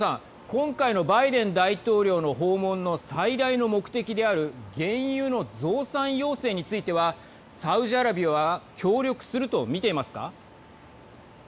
今回のバイデン大統領の訪問の最大の目的である原油の増産要請についてはサウジアラビアは協力すると見ていますか。